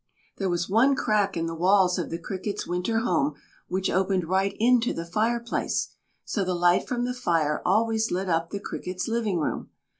There was one crack in the walls of the Crickets' winter home which opened right into the fireplace, so the light from the fire always lit up the Crickets' living room.